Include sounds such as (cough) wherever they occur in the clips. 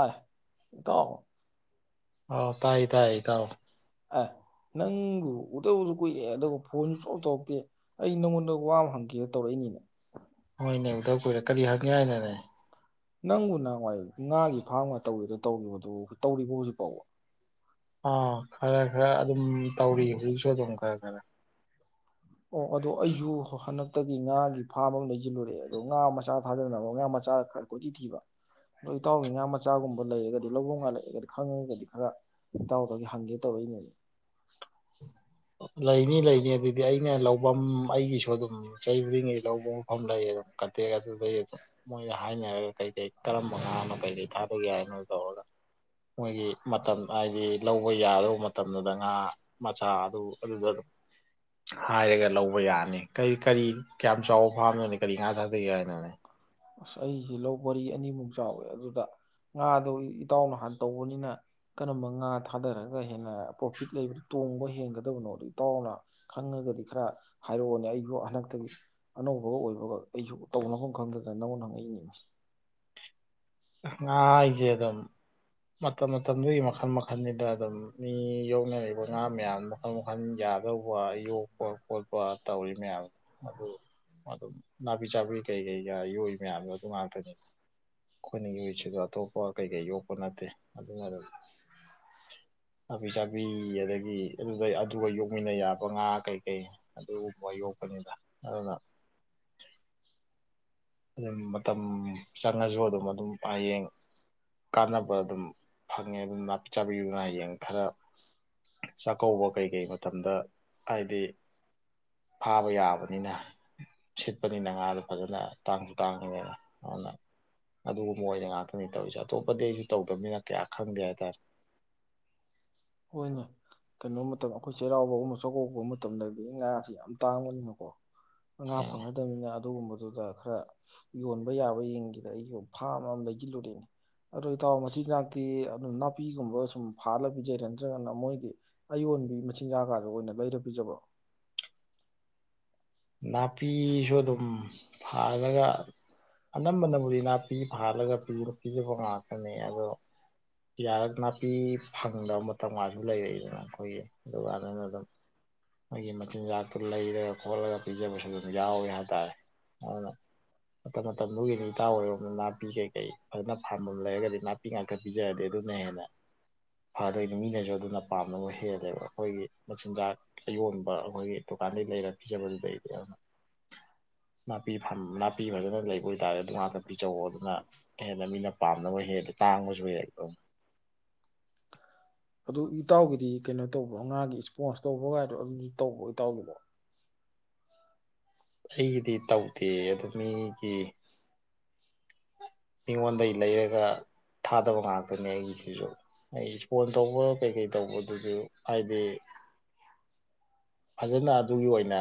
ꯑꯥꯢ ꯏꯇꯥꯎ ꯑꯥꯎ ꯇꯥꯏꯌꯦ ꯇꯥꯏꯌꯦ ꯢꯇꯥꯎ꯫ ꯑ ꯅꯪꯕꯨ ꯎꯗꯕꯖꯨ ꯀꯨꯢ ꯦ ꯑꯗꯨꯒ ꯐꯣꯟꯁꯨ ꯁꯨꯡꯇꯧ ꯇꯧꯔꯛꯇꯦ ꯑꯩ ꯅꯪꯉꯣꯟꯗ ꯋꯥ ꯑꯃ ꯍꯪꯒꯦ ꯇꯧꯔꯛꯏꯅꯤꯅꯦ꯫ ꯍꯣꯏꯅꯦ ꯎꯗ ꯀꯨꯏꯔꯦ ꯀꯔꯤ ꯍꯥꯏꯅꯤꯡꯉꯥꯢ ꯂꯩꯔꯦ꯫ ꯅꯪꯕꯨ ꯅꯋꯥꯏ ꯉꯥꯒꯤ ꯐꯥꯝꯒ ꯇꯧꯒꯤꯕꯗꯣ ꯇꯧꯔꯤꯕꯣ ꯑꯗꯨꯕꯣ ꯇꯧꯔꯤꯕꯣ ꯍꯧꯖꯤꯛ ꯐꯥꯎꯕ꯫ ꯑꯥ ꯈꯔ ꯈꯔ ꯑꯗꯨꯝ ꯇꯧꯔꯤ ꯍꯧꯖꯤꯛꯁꯨ ꯑꯗꯨꯝ ꯈꯔ ꯈꯔ ꯑꯣ ꯑꯗꯣ ꯑꯩꯁꯨ ꯍꯟꯗꯛ ꯍꯟꯗꯛꯇꯤ ꯉꯥꯒꯤ ꯐꯥꯔꯝ ꯑꯃ ꯂꯩꯖꯤꯜꯂꯨꯔꯑꯦ ꯑꯗꯣ ꯉꯥ ꯃꯆꯥ ꯊꯥꯗꯅꯕ ꯉꯥ ꯃꯆꯥ ꯈꯔ ꯀꯣꯏꯊꯤ ꯊꯤꯕ ꯑꯗꯣ ꯏꯇꯥꯎꯒꯤ ꯉꯥ ꯃꯆꯥꯒꯨꯝꯕ ꯂꯩꯔꯒꯗꯤ ꯂꯧꯕꯝꯒ ꯂꯩꯔꯒꯗꯤ ꯈꯪꯉꯒꯗꯤ ꯈꯔ ꯏꯇꯥꯎꯗꯒꯤ ꯍꯪꯒꯦ ꯇꯧꯔꯛꯏꯅꯦ꯫ ꯂꯩꯅꯤ ꯂꯩꯅꯤ ꯑꯗꯨꯗꯤ ꯑꯩꯅ ꯂꯧꯕꯝ ꯑꯩꯒꯤꯁꯨ ꯑꯗꯨꯝ ꯆꯍꯤ ꯈꯨꯗꯤꯡꯒꯤ ꯂꯧꯕ ꯃꯐꯝ ꯂꯩꯌꯦꯕ ꯀꯟꯇꯦꯛ ꯑꯗꯨꯗꯩ ꯑꯗꯨꯝ ꯃꯣꯏꯗ ꯍꯥꯏꯅꯔꯒ ꯀꯩ ꯀꯩ ꯀꯔꯝꯕ ꯉꯥꯅꯣ ꯀꯩꯀꯩ ꯐꯥꯕ ꯌꯥꯏꯅꯣ ꯇꯧꯔꯒ ꯃꯣꯏꯒꯤ ꯃꯇꯝ ꯍꯥꯏꯗꯤ ꯂꯧꯕ ꯌꯥꯗꯧꯕ ꯃꯇꯝꯗꯨꯗ ꯉꯥ ꯃꯆꯥ ꯑꯗꯨ ꯑꯗꯨꯗ ꯑꯗꯨꯝ ꯍꯥꯏꯔꯒ ꯂꯧꯕ ꯌꯥꯅꯤ ꯀꯔꯤ ꯀꯔꯤ ꯀꯌꯥꯝ ꯆꯥꯎꯕ ꯐꯥꯝꯅꯣꯅꯤ ꯀꯔꯤ ꯉꯥ ꯊꯥꯛꯗꯒꯦ ꯍꯥꯏꯅꯣꯅꯦ꯫ ꯑꯁ ꯑꯩꯁꯦ ꯂꯧ ꯄꯔꯤ ꯑꯅꯤꯃꯨꯛ ꯆꯥꯎꯋꯦ ꯑꯗꯨꯗ ꯉꯥꯗꯣ ꯏꯇꯥꯎꯅ ꯍꯥꯟꯅ ꯇꯧꯕꯅꯤꯅ ꯀꯔꯝꯕ ꯉꯥ ꯊꯥꯗꯔꯒ ꯍꯦꯟꯅ ꯄ꯭ꯔꯣꯐꯤꯠ ꯂꯩꯕꯗꯨ ꯇꯣꯡꯕ ꯍꯦꯟꯒꯗꯕꯅꯣꯗꯣ ꯏꯇꯥꯎꯅ ꯈꯪꯉꯒꯗꯤ ꯈꯔ ꯍꯥꯏꯔꯛꯑꯣꯅꯦ ꯑꯩꯁꯨ ꯍꯟꯗꯛꯇꯒꯤ ꯑꯅꯧꯕꯒ ꯑꯣꯏꯕꯒ ꯑꯩꯁꯨ ꯇꯧꯅꯐꯝ ꯂꯥꯛꯐꯝ ꯈꯪꯗꯗꯅ ꯅ ꯅꯉꯣꯟꯗ ꯍꯪꯉꯛꯏꯅꯤ꯫ ꯉꯥ ꯍꯥꯏꯁꯦ ꯑꯗꯨꯝ ꯃꯇꯝ ꯃꯇꯝꯗꯨꯒꯤ ꯃꯈꯜ ꯃꯈꯜꯅꯤꯗ ꯑꯗꯨꯝ ꯃꯤ ꯌꯣꯛꯅꯔꯤꯕ ꯉꯥ ꯃꯌꯥꯝ ꯃꯈꯜ ꯃꯈꯜ ꯌꯥꯗꯧꯕ ꯌꯣꯛꯄ ꯈꯣꯠꯄ ꯇꯧꯔꯤ ꯃꯌꯥꯝꯗꯣ ꯑꯗꯨ ꯑꯗꯨꯝ ꯅꯥꯄꯤ ꯆꯥꯕꯤ ꯀꯩꯀꯩꯒ ꯌꯣꯛꯏ ꯃꯌꯥꯝꯗꯣ ꯑꯗꯨ ꯉꯥꯛꯇꯅꯤ꯫ ꯑꯩꯈꯣꯏꯅ ꯌꯣꯛꯏꯁꯤꯁꯨ ꯑꯇꯣꯞꯄ ꯀꯩꯀꯩ ꯌꯣꯛꯄ ꯅꯠꯇꯦ ꯑꯗꯨꯅ ꯑꯗꯨꯝ ꯅꯥꯄꯤ ꯆꯥꯕꯤ ꯑꯗꯒꯤ ꯑꯗꯨꯗ ꯑꯗꯨꯒ ꯌꯣꯛꯃꯤꯟꯅ ꯌꯥꯕ ꯉꯥ ꯀꯩꯀꯩ ꯑꯗꯨꯒꯨꯝꯕ ꯌꯣꯛꯄꯅꯤꯅ ꯑꯗꯨꯅ ꯑꯗꯨꯝ ꯃꯇꯝ ꯆꯪꯉꯁꯨ ꯑꯗꯨꯝ ꯑꯗꯨꯝ ꯍꯌꯦꯡ ꯀꯥꯟꯅꯕ ꯑꯗꯨꯝ ꯐꯪꯉꯦ ꯑꯗꯨꯝ ꯅꯥꯄꯤ ꯆꯥꯕꯤꯗꯨꯅ ꯍꯌꯦꯡ ꯈꯔ ꯆꯥꯛꯀꯧꯕ ꯀꯩꯀꯩ ꯃꯇꯝꯗ ꯍꯥꯏꯗꯤ ꯐꯥꯕ ꯌꯥꯕꯅꯤꯅ ꯁꯤꯠꯄꯅꯤꯅ ꯉꯥꯗꯣ ꯐꯖꯅ ꯇꯥꯡꯁꯨ ꯇꯥꯡꯉꯤꯗꯅ ꯑꯗꯨꯅ ꯑꯗꯨꯒꯨꯝꯕ ꯑꯣꯏꯅ ꯉꯥꯛꯇꯅꯤ ꯇꯧꯔꯤꯁꯦ ꯑꯇꯣꯞꯄꯗꯤ ꯑꯩꯁꯨ ꯇꯧꯗꯕꯅꯃꯤꯅ ꯀꯌꯥ ꯈꯪꯗꯦ ꯍꯥꯏꯇꯥꯔꯦ꯫ ꯍꯣꯏꯅꯦ ꯀꯩꯅꯣꯝ ꯃꯇꯝ ꯑꯩꯈꯣꯏ ꯆꯩꯔꯥꯎꯕꯒꯨꯝ ꯆꯥꯛꯀꯧꯕ ꯃꯇꯝꯗꯗꯤ ꯉꯥꯥꯁꯦ ꯌꯥꯝ ꯇꯥꯡꯕꯅꯤꯅꯀꯣ ꯉꯥ ꯐꯪꯅꯗꯝꯅꯤꯅ ꯑꯗꯨꯒꯨꯝꯕꯗ ꯑꯗꯨꯗ ꯈꯔ ꯌꯣꯟꯕ ꯌꯥꯕ ꯌꯦꯡꯒꯦꯅ ꯑꯩꯁꯨ ꯐꯥꯝ ꯑꯃ ꯂꯩꯖꯜꯂꯨꯨꯔꯦꯅꯦ꯫ ꯑꯗꯣ ꯏꯇꯥꯎ ꯃꯆꯤꯟꯖꯅꯥꯛꯇꯤ ꯅꯥꯄꯤꯒꯨꯝꯕ ꯁꯨꯝ ꯐꯥꯂ ꯄꯤꯖꯩꯔ ꯅꯠꯇ꯭ꯔꯒꯅ ꯃꯣꯏꯒꯤ ꯑꯌꯣꯟꯕꯤ ꯃꯆꯤꯟꯖꯥꯛ ꯀꯥꯗꯣ ꯑꯣꯏꯅ ꯂꯩꯔ ꯄꯤꯖꯕꯔꯣ꯫ ꯅꯥꯄꯤꯁꯨ ꯑꯗꯨꯝ ꯐꯜꯂꯒ ꯑꯅꯝꯕꯅꯕꯨꯗꯤ ꯅꯥꯄꯤ ꯐꯥꯍꯜꯂꯒ ꯄꯤꯖꯕ ꯉꯥꯛꯇꯅꯦ ꯑꯗꯣ ꯌꯥꯔꯛ ꯅꯥꯄꯤ ꯐꯪꯗꯕ ꯃꯇꯝ ꯀꯥꯁꯨ ꯂꯩꯔꯛꯏꯗꯅ ꯑꯩꯈꯣꯏꯒꯤ ꯑꯗꯨꯒꯥꯟꯗꯨꯗ ꯑꯗꯨꯝ ꯃꯣꯏꯒꯤ ꯃꯆꯤꯟꯖꯥꯛꯇꯣ ꯂꯩꯔꯒ ꯈꯣꯠꯂꯒ ꯄꯤꯖꯕꯁꯨ ꯑꯗꯨꯝ ꯌꯥꯎꯋꯦ ꯍꯥꯏꯇꯥꯔꯦ ꯑꯗꯨꯅ ꯃꯇꯝ ꯃꯇꯝꯗꯨꯒꯤ ꯏꯇꯥꯥꯎ ꯍꯣꯏꯔꯣꯝꯗ ꯅꯥꯄꯤ ꯀꯩꯀꯩ ꯐꯖꯅ ꯐꯥꯟꯐꯝ ꯂꯩꯔꯒꯗꯤ ꯅꯥꯄꯤ ꯉꯥꯛꯇ ꯄꯤꯖꯔꯗꯤ ꯑꯗꯨꯅ ꯍꯦꯟꯅ ꯐꯗꯣꯏꯅꯤ ꯃꯤꯅꯁꯨ ꯑꯗꯨꯅ ꯄꯥꯝꯅꯕ ꯍꯦꯜꯂꯦꯕ ꯑꯩꯈꯣꯏꯒꯤ ꯃꯆꯤꯟꯖꯥꯛ ꯑ ꯌꯣꯟꯕ ꯑꯩꯈꯣꯏꯒꯤ ꯗꯨꯀꯥꯟꯗꯩ ꯂꯩꯔ ꯄꯤꯖꯕꯗꯨꯗꯩ ꯅꯥꯄꯤꯐ ꯅꯥꯄꯤ ꯐꯖꯅ ꯂꯩꯕ ꯑꯣꯏꯇꯥꯔꯦ ꯑꯗꯨ ꯉꯥꯛꯅꯄꯤꯖꯧꯋꯣ ꯑꯗꯨꯅ ꯍꯦꯟꯅ ꯃꯤꯅ ꯄꯥꯝꯅꯕ ꯍꯦꯜꯂꯤ ꯇꯥꯡꯕꯁꯨ ꯍꯦꯜꯂꯛꯇꯣꯏꯅꯤ꯫ ꯑꯗꯨ ꯏꯇꯥꯎꯒꯤꯗꯤ ꯀꯩꯅꯣ ꯇꯧꯕ ꯉꯥꯒꯤ ꯏꯁꯄꯣꯟꯁ ꯇꯧꯕꯒꯥꯏꯗꯣ ꯑꯗꯨꯝꯁꯨ ꯇꯧꯕ꯭ꯔꯣ ꯏꯇꯥꯎꯒꯤꯕꯣ꯫ ꯑꯩꯒꯤꯗꯤ ꯇꯧꯗꯦ ꯑꯗꯨ ꯃꯤꯒꯤ ꯃꯤꯉꯣꯟꯗꯒꯤ ꯂꯩꯔꯒ ꯊꯥꯗꯕ ꯉꯥꯛꯇꯅꯤ ꯑꯩꯒꯤꯁꯤꯁꯨ ꯑꯩ ꯏꯁꯄꯣꯟ ꯇꯧꯕ ꯀꯩꯀꯩ ꯇꯧꯕꯗꯨꯁꯨ ꯍꯥꯏꯗꯤ ꯐꯖꯅ ꯑꯗꯨꯒꯤ ꯑꯣꯏꯅ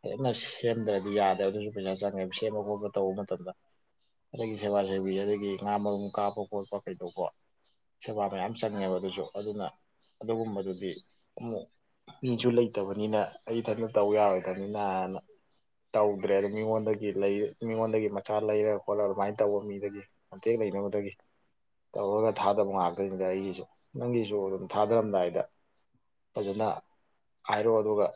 ꯐꯖꯟꯅ ꯁꯦꯝꯗ꯭ꯔꯗꯤ ꯌꯥꯗꯦ ꯑꯗꯨꯁꯨ ꯄꯩꯁꯥ ꯆꯪꯉꯦꯕ ꯁꯦꯝꯕ ꯈꯣꯠꯄ ꯇꯧꯕ ꯃꯇꯝꯗ ꯁꯦꯕꯥ ꯁꯦꯕꯤ ꯑꯗꯒꯤ ꯉꯥ ꯃꯔꯨꯝ ꯀꯥꯞꯄ ꯈꯣꯠꯄ ꯀꯩꯗꯧꯕ ꯁꯦꯕꯥ ꯃꯌꯥꯝ ꯆꯪꯉꯦꯕ ꯑꯗꯨꯁꯨ ꯑꯗꯨꯅ ꯑꯗꯨꯒꯨꯝꯕꯗꯨꯗꯤ ꯑꯃꯨꯛ ꯃꯤꯁꯨ ꯂꯩꯇꯕꯅꯤꯅ ꯑꯩ ꯏꯊꯟꯇ ꯇꯧ ꯌꯥꯔꯣꯏꯗꯕꯅꯤꯅꯅ ꯇꯧꯗ꯭ꯔꯦ ꯑꯗ ꯃꯤꯉꯣꯟꯗꯒꯤ ꯂꯩ ꯃꯤꯉꯣꯟꯗꯒꯤ ꯃꯆꯥ ꯂꯩꯔ ꯈꯣꯠꯂꯒ ꯑꯗꯨꯃꯥꯏꯅ ꯇꯧꯕ ꯃꯤꯗꯒꯤ ꯀꯟꯇꯦꯛ ꯂꯩꯅꯕꯗꯒꯤ ꯇꯧꯔꯒ ꯊꯥꯗꯕ ꯉꯥꯛꯇꯅꯤꯗ ꯑꯩꯒꯤꯁꯨ ꯅꯪꯒꯤꯁꯨ ꯑꯗꯨꯝ ꯊꯥꯗꯔꯝꯗꯥꯏꯗ ꯐꯖꯅ ꯍꯥꯏꯔꯣ ꯑꯗꯨꯒ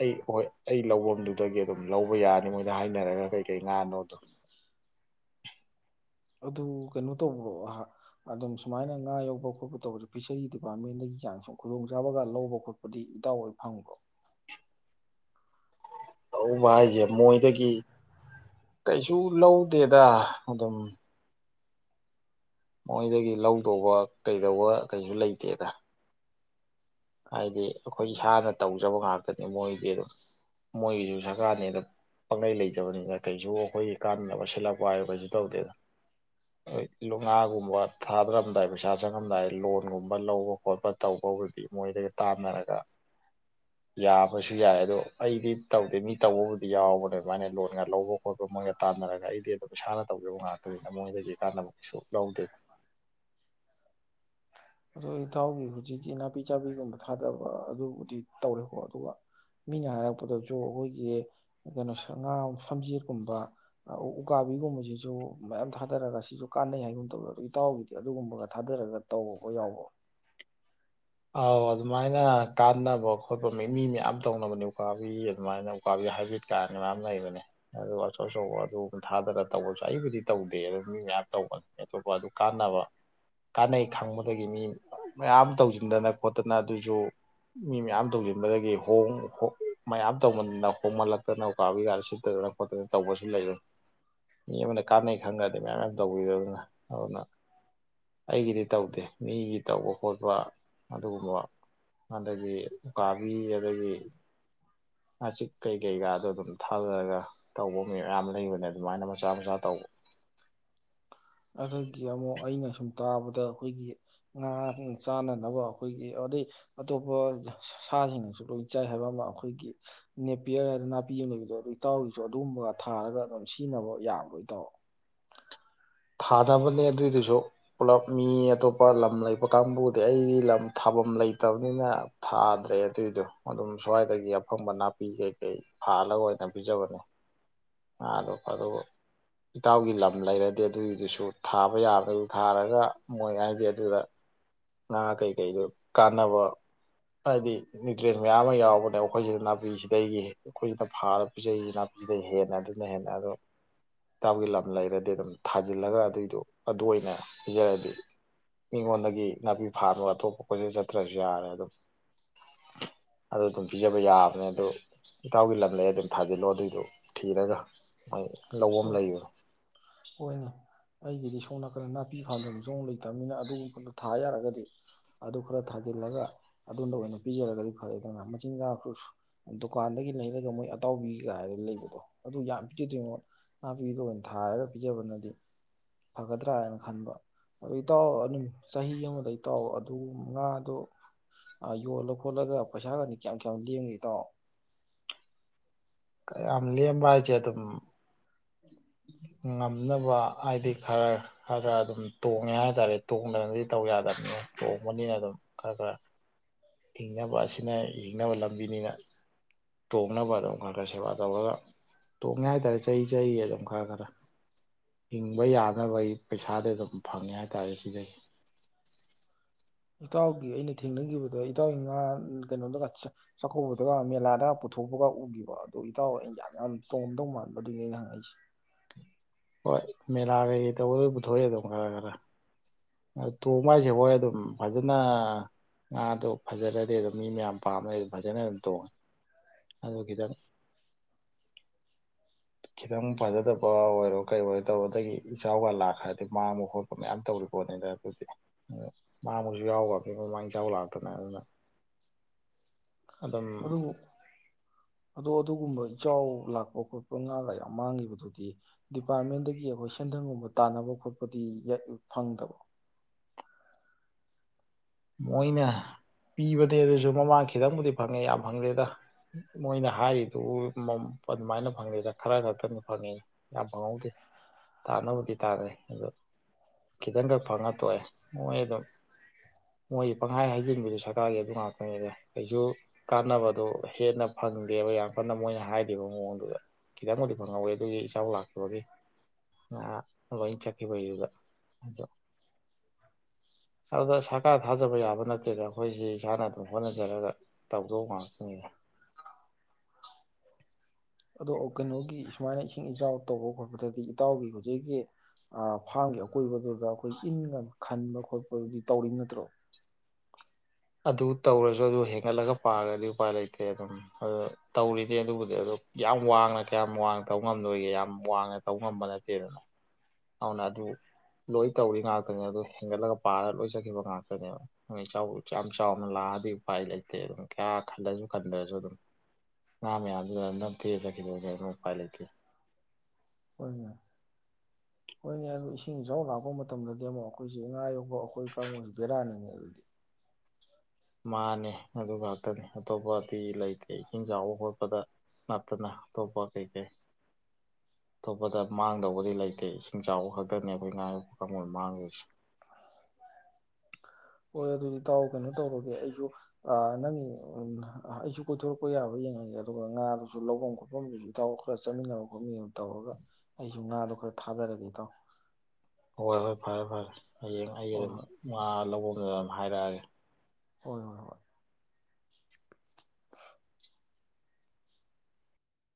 ꯑꯩ ꯍꯣꯏ ꯑꯩ ꯂꯧꯕꯝꯗꯨꯗꯒꯤ ꯑꯗꯨꯝ ꯂꯧꯕ ꯌꯥꯅꯤ ꯃꯣꯏꯗ ꯍꯥꯏꯅꯔꯒ ꯀꯩꯀꯩ ꯉꯥꯅꯣꯗꯣ ꯑꯗꯨ ꯀꯩꯅꯣ ꯇꯧꯕ꯭ꯔꯣ ꯑꯗꯨꯝ ꯁꯨꯃꯥꯏꯅ ꯉꯥ ꯌꯧꯕ ꯈꯣꯠꯄ ꯇꯧꯕꯁꯦ ꯐꯤꯁꯔꯤ ꯗꯤꯄꯥꯔꯠꯃꯦꯟꯗꯒꯤ ꯀꯨꯝ ꯈꯨꯗꯣꯡꯆꯥꯥꯕꯒ ꯂꯧꯕ ꯈꯣꯠꯄꯗꯤ ꯏꯇꯎ ꯍꯣꯏ ꯐꯪꯕ꯭ꯔꯣ ꯂꯧꯕ ꯍꯥꯏꯁꯦ ꯃꯣꯏꯗꯒꯤ ꯀꯩꯁꯨ ꯂꯧꯗꯦꯗ ꯑꯗꯨꯝ ꯃꯣꯏꯗꯒꯤ ꯂꯧꯗꯧꯕ ꯀꯩꯗꯧꯕ ꯀꯩꯁꯨ ꯂꯩꯇꯦꯗꯥ ꯍꯥꯏꯗꯤ ꯑꯩꯈꯣꯏ ꯏꯁꯥꯅ ꯇꯧꯖꯕ ꯉꯥꯛꯇꯅꯦ ꯃꯣꯏꯗꯤ ꯑꯗꯨꯝ ꯃꯣꯏꯒꯤꯁꯨ ꯁꯔꯀꯥꯔꯅꯦꯅ ꯑꯗꯨ ꯄꯪꯂꯩ ꯂꯩꯖꯕꯅꯤꯅ ꯀꯩꯁꯨ ꯑꯩꯈꯣꯏꯒꯤ ꯀꯥꯟꯅꯅꯕ ꯁꯤꯜꯂꯛꯄ ꯍꯥꯏꯔ ꯀꯩꯁꯨ ꯇꯧꯗꯦꯗꯣꯏ ꯂꯨ ꯉꯥꯒꯨꯝꯕ ꯊꯥꯗꯔꯝꯗꯥꯏ ꯄꯩꯁꯥ ꯆꯪꯉꯝꯗꯥꯏ ꯂꯣꯟꯒꯨꯝꯕ ꯂꯧꯕ ꯈꯣꯠꯄ ꯇꯧꯕꯕꯨꯗꯤ ꯃꯣꯏꯗꯒ ꯇꯥꯟꯅꯔꯒ ꯌꯥꯕꯁꯨ ꯌꯥꯏ ꯑꯗꯣ ꯑꯩꯗꯤ ꯇꯧꯗꯦ ꯃꯤ ꯇꯧꯕꯕꯨꯗꯤ ꯌꯥꯎꯕꯅꯦ ꯑꯗꯨꯃꯥꯏꯅ ꯂꯣꯟꯒ ꯂꯧꯕ ꯈꯣꯠꯄ ꯃꯣꯏꯒ ꯇꯥꯟꯅꯔꯒ ꯑꯩꯗꯤ ꯑꯗꯨꯝ ꯏꯁꯥꯅ ꯇꯧꯖꯕ ꯉꯥꯛꯇꯅꯤꯅ ꯃꯣꯏꯗꯒꯤ ꯇꯥꯟꯅꯕ ꯀꯩꯁꯨ ꯂꯧꯗꯦꯗꯥ ꯑꯗꯣ ꯏꯇꯥꯎꯒꯤ ꯍꯧꯖꯤꯛꯀꯤ ꯅꯥꯄꯤ ꯆꯥꯕꯤꯒꯨꯝꯕ ꯊꯥꯗꯕ ꯑꯗꯨꯕꯨꯗꯤ ꯇꯧꯔꯦꯀꯣ ꯑꯗꯨꯒ ꯃꯤꯅ ꯍꯥꯏꯔꯛꯄꯗꯁꯨ ꯑꯩꯈꯣꯏꯒꯤ ꯀꯩꯅꯣ ꯉꯥ ꯁꯝꯖꯦꯠꯀꯨꯝꯕ ꯎꯀꯥꯕꯤꯒꯨꯝꯕꯁꯤꯁꯨ ꯃꯌꯥꯝ ꯊꯥꯗꯔꯒ ꯁꯤꯁꯨ ꯀꯥꯟꯅꯩ ꯍꯥꯏꯒꯨꯝ ꯇꯧꯋꯦ ꯑꯗꯣ ꯏꯇꯥꯎꯒꯤꯗꯤ ꯑꯗꯨꯒꯨꯝꯕꯒ ꯊꯥꯗꯔꯒ ꯇꯧ ꯕꯥ ꯌꯥꯎꯕꯔꯣ ꯑꯥꯎ ꯑꯗꯨꯃꯥꯏꯅ ꯀꯥꯟꯅꯕ ꯈꯣꯠꯄ ꯃꯤ ꯃꯤ ꯃꯌꯥꯝ ꯇꯧꯅꯕꯅꯦ ꯎꯀꯥꯕꯤ ꯑꯗꯨꯃꯥꯏꯅ ꯎꯀꯥꯕꯤ ꯍꯥꯏꯕꯤ꯭ꯔꯤꯠ ꯀꯥꯏ ꯃꯌꯥꯝ ꯂꯩꯕꯅꯦ ꯑꯗꯨ ꯑꯆꯧ ꯑꯆꯧꯕ ꯑꯗꯨ ꯊꯥꯗꯅ ꯇꯧꯕꯁꯨ ꯑꯩꯕꯨꯗꯤ ꯇꯧꯗꯦ ꯑꯗꯨ ꯃꯤ ꯃꯌꯥꯝ ꯇꯧꯕꯅꯤ ꯑꯗꯨꯞ ꯑꯗꯨ ꯀꯥꯟꯅꯕ ꯀꯥꯟꯅꯩ ꯈꯪꯕꯗꯒꯤ ꯃꯤ ꯃꯌꯥꯝ ꯇꯧꯁꯤꯟ ꯁꯤꯟꯗꯅ ꯈꯣꯠꯇꯅ ꯑꯗꯨꯁꯨ ꯃꯤ ꯃꯌꯥꯝ ꯇꯧꯁꯤꯟꯕꯗꯒꯤ ꯃꯌꯥꯝ ꯇꯧꯃꯟꯗꯅ ꯍꯣꯡꯃꯜꯂꯛꯇꯅ ꯎꯀꯥꯕꯤ ꯀꯗ ꯁꯤꯠꯇꯗꯅ ꯈꯣꯠꯇꯅ ꯇꯧꯕꯁꯨ ꯂꯩꯕꯅꯤ ꯃꯤ ꯑꯃꯅ ꯀꯥꯟꯅꯩ ꯈꯪꯉ꯭ꯔꯗꯤ ꯃꯌꯥꯝ ꯃ ꯇꯧꯕꯤꯔ ꯑꯗꯨꯅ ꯑꯩꯒꯤꯗꯤ ꯇꯧꯗꯦ ꯃꯤꯒꯤ ꯇꯧꯕ ꯈꯣꯠꯄ ꯑꯗꯨꯒꯨꯝꯕ ꯑꯗꯒꯤ ꯎꯀꯥꯕꯤ ꯑꯗꯒꯤ ꯉꯥꯆꯤꯛ ꯀꯩ ꯀꯩꯀꯥꯗꯣ ꯑꯗꯨꯝ ꯊꯥꯗꯔꯒ ꯇꯧꯕ ꯃꯤ ꯃꯌꯥꯝ ꯂꯩꯕꯅꯦ ꯑꯗꯨꯃꯥꯏꯅ ꯃꯆꯥ ꯃꯆꯥ ꯇꯧꯕ ꯑꯗꯒꯤ ꯑꯃꯨꯛ ꯑꯩꯅ ꯁꯨꯝ ꯇꯥꯕꯗ ꯑꯩꯈꯣꯏꯒꯤ ꯉꯥ (inaudible) ꯅꯕ ꯑꯩꯈꯣꯏꯒꯤ ꯑꯗꯩ ꯑꯇꯣꯞꯄ ꯁꯥꯁꯤꯡꯅꯁꯨ ꯂꯣꯏ ꯆꯥꯏ ꯍꯥꯏꯕ ꯑꯃ ꯑꯩꯈꯣꯏꯒꯤ ꯅꯦꯄꯤꯌꯔ ꯍꯥꯏꯗ ꯅꯥꯄꯤ ꯑꯃ ꯂꯩꯕꯗꯣ ꯑꯗꯨꯣꯏ ꯇꯥꯎꯔꯤꯁꯨ ꯑꯗꯨꯒꯨꯝꯕꯒ ꯊꯥꯔꯒ ꯑꯗꯨꯝ ꯁꯤꯖꯤꯟꯅꯕ ꯌꯥꯕꯔꯣ ꯏꯇꯥꯎ ꯊꯥꯗꯅꯕꯅꯦ ꯑꯗꯨꯏꯗꯨꯁꯨ ꯄꯨꯂꯞ ꯃꯤ ꯑꯇꯣꯞꯄ ꯂꯝ ꯂꯩꯕ ꯀꯥꯡꯕꯨꯗꯤ ꯑꯩꯗꯤ ꯂꯝ ꯊꯥꯐꯝ ꯂꯩꯇꯕꯅꯤꯅ ꯊꯥꯗ꯭ꯔꯦ ꯑꯗꯨꯏꯗꯣ ꯑꯗꯨꯝ ꯁ꯭ꯋꯥꯏꯗꯒꯤ ꯑꯐꯪꯕ ꯅꯥꯄꯤ ꯀꯩꯀꯩ ꯐꯥꯜꯂꯒ ꯑꯣꯏꯅ ꯄꯤꯖꯕꯅꯦ (inaudible) ꯑꯗꯨ ꯏꯇꯥꯎꯒꯤ ꯂꯝ ꯂꯩꯔꯗꯤ ꯑꯗꯨꯒꯤꯗꯨꯁꯨ ꯊꯥꯕ ꯌꯥꯗꯁꯨ ꯊꯥꯔꯒ ꯃꯣꯏ ꯍꯥꯏꯗꯤ ꯑꯗꯨꯗ ꯉꯥ ꯀꯩꯀꯩꯗꯣ ꯀꯥꯟꯅꯕ ꯍꯥꯏꯗꯤ ꯅ꯭ꯌꯨꯇ꯭ꯔꯦꯟ ꯃꯌꯥꯝ ꯑꯃ ꯌꯥꯎꯕꯅꯦ ꯑꯩꯈꯣꯏꯁꯤꯗ ꯅꯥꯄꯤꯁꯤꯗꯒꯤ ꯑꯩꯈꯣꯏꯁꯤꯅ ꯐꯥꯟꯂꯥꯒ ꯄꯤꯖꯔꯤꯁꯤ ꯅꯥꯄꯤꯁꯤꯗꯩ ꯍꯦꯟꯅ ꯑꯗꯨꯅ ꯍꯦꯟꯅ ꯑꯗꯣ ꯏꯇꯥꯎꯞꯒꯤ ꯂꯝ ꯂꯩꯔꯗꯤ ꯑꯗꯨꯝ ꯊꯥꯖꯤꯜꯂꯒ ꯑꯗꯨꯏꯗꯣ ꯑꯗꯨ ꯑꯣꯏꯅ ꯄꯤꯖꯔꯗꯤ ꯃꯤꯉꯣꯟꯗꯒꯤ ꯅꯥꯄꯤ ꯐꯥꯅꯕ ꯑꯇꯣꯞꯄ ꯀꯣꯏꯆꯠ ꯆꯠꯇ꯭ꯔꯁꯨ ꯌꯥꯔꯦ ꯑꯗꯨꯝ ꯑꯗꯨ ꯑꯗꯨꯝ ꯄꯤꯖꯕ ꯌꯥꯕꯅꯦ ꯑꯗꯨ ꯏꯇꯥꯎꯒꯤ ꯂꯝꯗ ꯑꯗꯨꯝ ꯊꯥꯖꯤꯜꯂꯣ ꯑꯗꯨꯏꯗꯨꯣ ꯊꯤꯔꯒ ꯃꯣꯏ ꯂꯧꯕꯝ ꯍꯣꯏ ꯂꯩꯕꯅꯦ ꯍꯣꯏꯅꯦ ꯑꯩꯒꯤꯗꯤ (inaudible) ꯅꯥꯄꯤ (inaudible) (inaudible) ꯐꯠꯇꯕꯅꯤꯅ ꯑꯗꯨꯒꯨꯝꯕꯗꯨꯣ ꯊꯥ ꯌꯥꯔꯒꯗꯤ ꯑꯗꯨ ꯈꯔ ꯊꯥꯖꯤꯜꯂꯒ ꯑꯗꯣꯝꯗ ꯑꯣꯏꯅ ꯄꯤꯖꯔꯒꯗꯤ ꯐꯔꯦ ꯑꯗꯨꯧꯅ ꯃꯆꯤꯟꯖꯥꯛ ꯗꯨꯀꯥꯟꯗꯒꯤ ꯂꯩꯔꯒ ꯃꯣꯏ ꯑꯇꯥꯎꯕꯤꯒꯥꯏꯔ ꯂꯩꯕꯗꯣ ꯑꯗꯨ ꯌꯥꯝ (inaudible) ꯅꯥꯄꯤꯗꯣ ꯑꯣꯏꯅ ꯊꯥꯔꯒ ꯄꯤꯖꯕꯅꯗꯤ ꯐꯒꯗ꯭ꯔꯥꯅ ꯈꯟꯕ ꯑꯗꯨ ꯏꯇꯥꯎꯑꯣ ꯑꯗꯨꯝ ꯆꯍꯤ ꯑꯃꯗꯩ ꯏꯇꯥꯎ ꯑꯗꯨ ꯉꯥꯗꯣ ꯌꯣꯜꯂ ꯈꯣꯠꯂꯒ ꯄꯩꯁꯥꯒꯅꯤ ꯀꯌꯥꯝ ꯀꯌꯥꯝ ꯂꯦꯝꯒꯦ ꯏꯇꯥꯎ ꯀꯌꯥꯝ ꯂꯦꯝꯕ ꯍꯥꯏꯁꯦ ꯑꯗꯨꯝ ꯉꯝꯅꯕ ꯍꯥꯏꯗꯤ ꯈꯔ ꯈ ꯈꯔ ꯑꯗꯨꯝ ꯇꯣꯡꯉꯦ ꯍꯥꯏꯇꯥꯔꯦ ꯇꯣꯡꯗꯅꯗꯤ ꯇꯧ ꯌꯥꯗꯕꯅꯤ ꯇꯣꯡꯕꯅꯤꯅ ꯑꯗꯨꯝ ꯈꯔ ꯈꯔ ꯍꯤꯡꯅꯕ ꯑꯁꯤꯅ ꯍꯤꯡꯅꯕ ꯂꯝꯕꯤꯅꯤꯅ ꯇꯣꯡꯅꯕ ꯑꯗꯨꯝ ꯈꯔ ꯈꯔ ꯁꯦꯕꯥ ꯇꯧꯔꯒ ꯇꯣꯡꯉꯦ ꯍꯥꯏꯇꯥꯔꯦ ꯆꯍꯤ ꯆꯍꯤ ꯑꯗꯨꯝ ꯈꯔ ꯈꯔ ꯍꯤꯡꯕ ꯌꯥꯅꯕꯒꯤ ꯄꯩꯁꯥꯗꯤ ꯑꯗꯨꯝ ꯐꯪꯉꯦ ꯍꯥꯏꯇꯥꯔꯦ ꯁꯤꯗꯒꯤ ꯏꯇꯥꯎꯒꯤ ꯑꯩꯅ ꯊꯦꯡꯅꯈꯤꯕꯗꯣ ꯏꯇꯥꯎꯒꯤ ꯉꯥ ꯀꯩꯅꯣꯗꯥꯒ ꯆꯥꯛꯀꯧꯕꯗꯒ ꯃꯦꯂꯥꯗ ꯄꯨꯊꯣꯛꯄꯒ ꯎꯈꯤꯕ ꯑꯗꯨꯣ ꯏꯇꯥꯎ ꯑꯩꯅ ꯌꯥꯝ ꯌꯥꯝ ꯇꯣꯡꯉꯝꯗꯧ ꯃꯥꯟꯕꯗꯨꯅꯦ ꯑꯩꯅ ꯍꯪꯉꯛꯏꯁꯦ ꯍꯣꯏ ꯃꯦꯂꯥ ꯀꯩꯀꯩ ꯇꯧꯕꯗꯣꯏ ꯄꯨꯊꯣꯛꯑꯦ ꯑꯗꯨꯝ ꯈꯔ ꯈꯔ ꯇꯣꯡꯕ ꯍꯥꯏꯁꯦ ꯍꯣꯏ ꯑꯗꯨꯝ ꯐꯖꯅ ꯉꯥꯗꯣ ꯐꯖꯔꯗꯤ ꯑꯗꯨꯝ ꯃꯤ ꯃꯌꯥꯝ ꯄꯥꯝꯝꯕꯩ ꯑꯗꯨ ꯐꯖꯅ ꯑꯗꯨꯝ ꯇꯣꯡꯉꯦ ꯑꯗꯨ ꯈꯤꯇꯪ ꯈꯤꯇꯪ ꯐꯖꯗꯕ ꯑꯣꯏꯔꯣ ꯀꯩ ꯑꯣꯏꯔꯣ ꯇꯧꯕ ꯑꯗꯒꯤ ꯏꯆꯥꯎꯒ ꯂꯥꯛꯈ꯭ꯔꯗꯤ ꯃꯥꯡꯕ ꯈꯣꯠꯄ ꯃꯌꯥꯝ ꯇꯧꯔꯤ ꯄꯣꯠꯅꯤꯗ ꯑꯗꯨꯗꯤ ꯑ ꯃꯥꯕꯨꯁꯨ ꯌꯥꯎꯕ ꯃꯤ ꯃꯃꯥꯡ ꯏ ꯆꯥꯎ ꯂꯥꯛꯇꯅ ꯑꯗꯨꯅ ꯑꯗꯨꯝ ꯑꯗꯨꯕꯨ ꯑꯗꯣ ꯑꯗꯨꯒꯨꯝꯕ ꯏꯆꯥꯎ ꯂꯥꯛꯄ ꯈꯣꯠꯄ ꯄ ꯉꯥꯒ ꯌꯥꯝ ꯃꯥꯡꯕꯗꯨꯗꯤ ꯗꯤꯄꯥꯔꯠꯃꯦꯟꯗꯒꯤ ꯑꯩꯈꯣꯏ ꯁꯦꯟꯊꯪꯒꯨꯝꯕ ꯇꯥꯟꯅꯕ ꯈꯣꯠꯄꯗꯤ ꯐꯪꯗꯕꯕꯔꯣ ꯃꯣꯏꯅ ꯄꯤꯕꯅꯦ ꯑꯗꯨꯁꯨ ꯃꯃꯥꯡ ꯈꯤꯇꯪꯕꯨꯗꯤ ꯐꯪꯉꯦ ꯌꯥꯝ ꯐꯪꯗꯦꯗ ꯃꯣꯏꯅ ꯍꯥꯏꯔꯤꯗꯨ ꯑꯗꯨꯃꯥꯏꯅ ꯐꯪꯗꯦꯗ ꯈꯔ ꯈꯛꯇꯅꯤ ꯐꯪꯉꯦ ꯌꯥꯝ ꯐꯪꯍꯧꯗꯦ ꯇꯥꯅꯕꯕꯨꯗꯤ ꯇꯥꯟꯅꯩ ꯑꯗꯣ ꯈꯤꯇꯪꯈꯛ ꯐꯪꯉ ꯇꯣꯏꯦ ꯃꯣꯏ ꯑꯗꯨꯝ ꯃꯣꯏ ꯄꯪꯈꯥꯏ ꯍꯥꯏꯖꯤꯟꯕꯗꯨ ꯁꯔꯀꯥꯔꯒꯤ ꯑꯗꯨ ꯉꯥꯛꯇꯅꯤꯗ ꯀꯩꯁꯨ ꯀꯥꯟꯅꯕꯗꯣ ꯍꯦꯟꯅ ꯐꯪꯗꯦꯕ ꯌꯥꯝ ꯀꯟꯅ ꯃꯣꯏꯅ ꯍꯥꯏꯔꯤꯕ ꯃꯑꯣꯡꯗꯨꯗ ꯈꯤꯇꯪꯕꯨꯗꯤ ꯐꯪꯍꯧꯋꯦ ꯑꯗꯨꯒꯤ ꯏꯆꯥꯎ ꯂꯥꯛꯈꯤꯕꯒꯤ ꯉꯥ ꯂꯣꯏ ꯆꯠꯈꯤꯕꯒꯤꯗꯨꯗ ꯑꯗꯣ ꯑꯗꯨꯗ ꯀꯥꯔ ꯊꯥꯖꯕ ꯌꯥꯕ ꯅꯠꯇꯦꯗ ꯑꯩꯈꯣꯏꯁꯤ ꯏꯁꯥꯅ ꯑꯗꯨꯝ ꯍꯣꯠꯅꯖꯔꯒ ꯇꯧꯗꯧ ꯉꯥꯛꯇꯅꯤꯗ ꯑꯗꯣ ꯀꯩꯅꯣꯒꯤ ꯁꯨꯃꯥꯏꯅ ꯏꯁꯤꯡ ꯏꯆꯥꯎ ꯇꯧꯕ ꯈꯣꯠꯄꯗꯗꯤ ꯏꯇꯥꯎꯒꯤ ꯍꯧꯖꯤꯛꯀꯤ ꯐꯥꯔꯝꯒꯤ ꯑꯀꯣꯏꯕꯗꯣ ꯑꯩꯈꯣꯏꯒꯤ ꯏꯟꯒ ꯈꯟꯕ ꯈꯣꯠꯄꯗꯨꯗꯤ ꯇꯧꯔꯤꯕ ꯅꯠꯇ꯭ꯔꯣ ꯑꯗꯨ ꯇꯧꯔꯁꯨ ꯑꯗꯨ ꯍꯦꯟꯒꯠꯂꯒ ꯄꯥꯔꯗꯤ ꯎꯄꯥꯏ ꯂꯩꯇꯦ ꯑꯗꯨꯝ ꯇꯧꯔꯤꯅꯤ ꯑꯗꯨꯕꯨꯗꯤ ꯑꯗꯣ ꯌꯥꯝ ꯋꯥꯡꯅ ꯀꯌꯥꯝ ꯋꯥꯡꯅ ꯇꯧ ꯉꯝꯗꯣꯏꯒꯦ ꯌꯥꯝ ꯋꯥꯡꯅ ꯇꯧ ꯉꯝꯕ ꯅꯠꯇꯦꯗꯅ ꯑꯗꯨꯅ ꯑꯗꯨ ꯂꯣꯏ ꯇꯧꯔꯤ ꯉꯥꯛꯇꯅꯦ ꯑꯗꯨ ꯍꯦꯟꯒꯠꯂꯒ ꯄꯥꯔꯒ ꯂꯣꯏ ꯆꯠꯈꯤꯕ ꯉꯥꯛꯇꯅꯦꯕ ꯏꯆꯥꯎꯁꯨ ꯌꯥꯝ ꯆꯥꯎꯅ ꯂꯥꯛꯑꯗꯤ ꯎꯄꯥꯏ ꯂꯩꯇꯦ (inaudible) ꯈꯜꯂꯁꯨ ꯈꯟꯗ꯭ꯔꯁꯨ ꯑꯗꯨꯝ ꯉꯥ ꯃꯌꯥꯝꯗꯨꯗ ꯅꯝꯊꯦ ꯆꯈꯤꯗ ꯑꯗꯨꯝ ꯎꯄꯥꯏ ꯂꯩꯇꯦ ꯑꯗꯣ ꯏꯁꯤꯡ ꯏꯆꯥꯎ ꯂꯥꯛꯄ ꯃꯇꯝꯗꯗꯤ ꯑꯃꯨꯛ ꯑꯩꯈꯣꯏꯁꯦ ꯉꯥ ꯌꯣꯛ ꯑꯩꯈꯣꯏ ꯀꯥꯡꯕꯨꯁꯦ ꯕꯦꯔꯥꯅꯤ ꯃꯥꯅꯤ ꯑꯗꯨ ꯉꯥꯛꯇꯅꯤ ꯑꯇꯣꯞꯄꯗꯤ ꯂꯩꯇꯦ ꯏꯁꯤꯡ ꯆꯥꯎꯕ ꯈꯣꯠꯄꯗ ꯅꯠꯇꯅ ꯑꯇꯣꯞꯄ ꯀꯩꯀꯩ ꯑꯇꯣꯞꯄꯗ ꯃꯥꯡꯗꯧꯕꯗꯤ ꯂꯩꯇꯦ ꯏꯁꯤꯡ ꯆꯥꯎꯕ ꯈꯛꯇꯅꯤ ꯑꯩꯈꯣꯏ ꯉꯥ ꯌꯣꯛꯄ ꯀꯥꯡꯕꯨꯅ ꯃꯥꯡꯉꯤꯁꯦ ꯍꯣꯏ ꯑꯗꯨꯗꯤ ꯇꯗꯥꯥꯎ ꯀꯩꯅꯣ ꯇꯧꯔꯒꯦ ꯑꯩꯁꯨ ꯑ ꯅꯪ ꯑꯩꯁꯨ ꯀꯣꯏꯊꯣꯔꯛꯄ ꯌꯥꯕ꯭ꯔ ꯌꯦꯡꯉꯒꯦ ꯑꯗꯨꯒ ꯉꯥꯗꯨꯁꯨ ꯂꯧꯐꯝ ꯈꯣꯠꯐꯝꯗꯨꯁꯨ ꯏꯇꯥꯎ ꯈꯔ ꯆꯠꯃꯤꯟꯅꯕ ꯈꯣꯠꯃꯤꯟꯅꯕ ꯇꯧꯔꯒ ꯑꯩꯁꯨ ꯉꯥꯗꯣ ꯈꯔ ꯊꯥꯗꯔꯒꯦ ꯏꯇꯥꯎ ꯍꯣꯏ ꯍꯣꯏ ꯐꯔꯦ ꯐꯔꯦ ꯍꯌꯦꯡ ꯑꯩꯒ ꯍꯣꯏ ꯑꯗꯨꯝ ꯍꯣꯏ ꯉꯥ ꯂꯧꯕ (inaudible) ꯍꯥꯏꯔꯛꯑꯒꯦ ꯍꯣꯏ ꯍꯣꯏ ꯍꯣꯏ꯫